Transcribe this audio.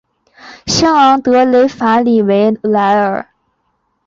圣昂德雷法里维莱尔。